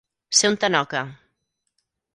Ser un tanoca.